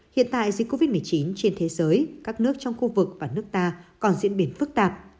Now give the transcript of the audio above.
hiện tại dịch covid một mươi chín trên thế giới các nước trong khu vực và nước ta còn diễn biến phức tạp